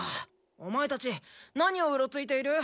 オマエたち何をうろついている？